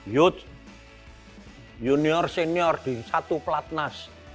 youth junior senior di satu pelatnas